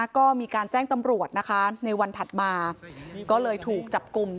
ก็มีการแจ้งตำรวจนะคะในวันถัดมาก็เลยถูกจับกลุ่ม